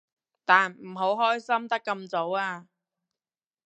但唔好開心得咁早啊